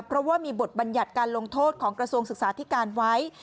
เพราะว่ามีบทบัญญัติการลงโทษของกระทรวงศึกษาธิการไว้